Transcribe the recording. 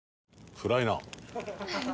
暗いな。